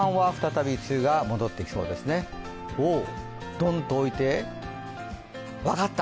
どんと置いて分かった！